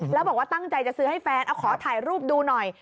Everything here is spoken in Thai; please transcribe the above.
แล้วบอกว่าตั้งใจจะซื้อให้แฟนเอาขอถ่ายรูปดูหน่อย